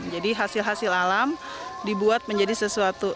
jadi hasil hasil alam dibuat menjadi sesuatu